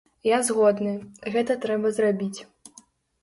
Я згодны, гэта трэба зрабіць.